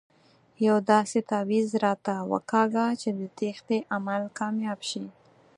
یو داسې تاویز راته وکاږه چې د تېښتې عمل کامیاب شي.